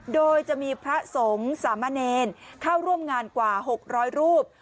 โดยจะมีพระสงฆ์สามเณรเข้าร่วมงานกว่า๖๐๐รูป